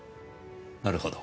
なるほど。